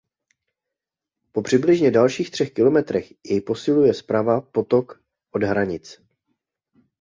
Po přibližně dalších třech kilometrech jej posiluje zprava potok "Od hranic".